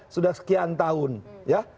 sudah sekian tahun ya